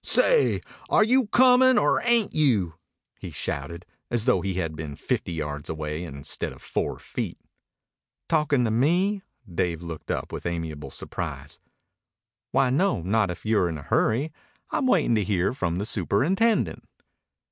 "Say, are you comin' or ain't you?" he shouted, as though he had been fifty yards away instead of four feet. "Talkin' to me?" Dave looked up with amiable surprise. "Why, no, not if you're in a hurry. I'm waitin' to hear from the superintendent."